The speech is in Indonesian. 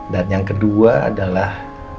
dan yang kedua adalah